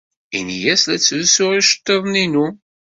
Ini-as la ttlusuɣ iceḍḍiḍen-inu.